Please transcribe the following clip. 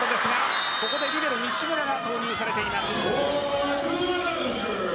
ここでリベロの西村が投入されています。